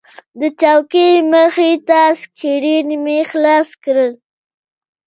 د چوکۍ مخې ته سکرین مې خلاص کړ.